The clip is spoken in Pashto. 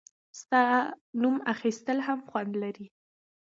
• ستا نوم اخیستل هم خوند لري.